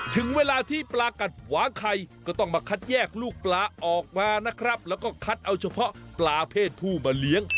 ถึงเวลาที่ปลากัดขวางไข่ก็ต้องมาคัดแยกลูกปลาออกมานะครับแล้วก็คัดเอาเฉพาะปลาเพศผู้มาเลี้ยง